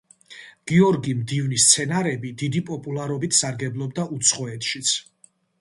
გიორგი მდივნის სცენარები დიდი პოპულარობით სარგებლობდა უცხოეთშიც.